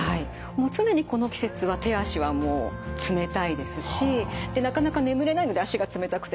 もう常にこの季節は手足はもう冷たいですしなかなか眠れないので足が冷たくて。